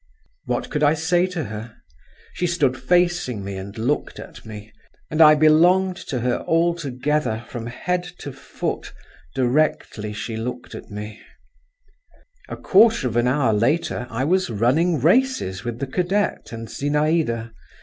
What could I say to her? She stood facing me, and looked at me; and I belonged to her altogether from head to foot directly she looked at me…. A quarter of an hour later I was running races with the cadet and Zinaïda.